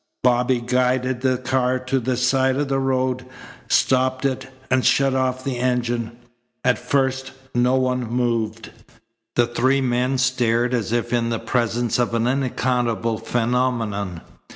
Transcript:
Bobby guided the car to the side of the road, stopped it, and shut off the engine. At first no one moved. The three men stared as if in the presence of an unaccountable phenomenon.